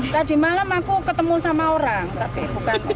tadi malam aku ketemu sama orang tapi bukan